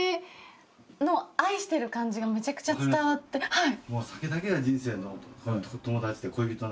はい。